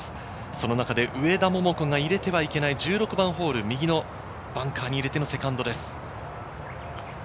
その中で上田桃子が入れてはいけない１６番ホール、右のバンカーに入れてのセカンドです。